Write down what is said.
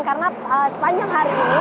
karena sepanjang hari ini